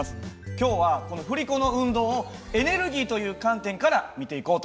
今日はこの振り子の運動をエネルギーという観点から見ていこうと思います。